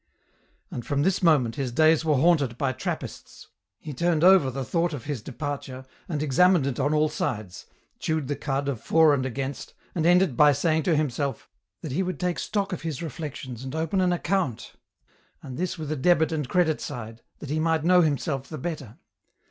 And from this moment his days were haunted by Trap pists. He turned over the thought of his departure, and examined it on all sides, chewed the cud of for and against, and ended by saying to himself, " That he would take stock of his reflections and open an account, and this with a debit and credit side, that he might know himself the better.